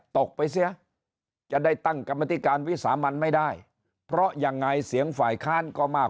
ตกไปเสียจะได้ตั้งกรรมธิการวิสามันไม่ได้เพราะยังไงเสียงฝ่ายค้านก็มาก